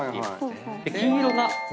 黄色が。